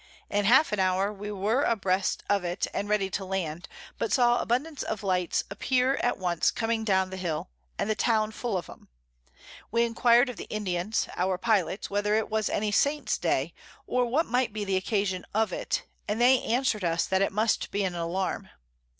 In half an hour we were a breast of it, and ready to land, but saw abundance of Lights appear at once coming down the Hill, and the Town full of 'em. We enquir'd of the Indians, our Pilots, whether it was any Saint's Day, or what might be the Occasion of it, and they answer'd us, that it must be an Alarm.